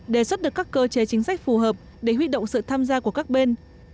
đề xuất được các cơ chế chính sách phù hợp để huy động sự tham gia của các bên